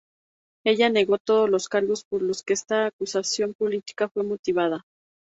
Ella negó todos los cargos por los que esta acusación política fue motivada.